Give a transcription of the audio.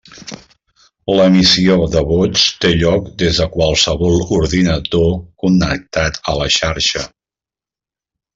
L'emissió de vots té lloc des de qualsevol ordinador connectat a la xarxa.